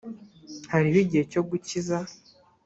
hariho igihe cyo gukiza